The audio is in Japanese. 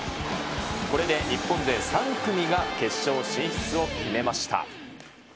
これで日本勢３組が決勝進出を決めました。